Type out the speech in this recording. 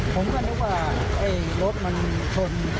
ผมก็ไม่รู้ว่ารถมันชน